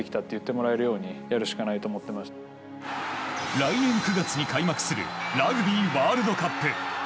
来年９月に開幕するラグビーワールドカップ。